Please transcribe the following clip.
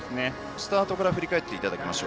スタートから振り返っていただきます。